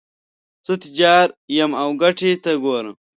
زه تجار یم او ګټې ته ګورم.